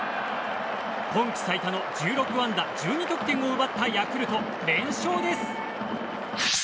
今季最多の１６安打１２得点を奪ったヤクルト連勝です。